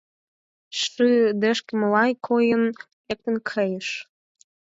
Шыдешкымыла койын, лектын кайыш.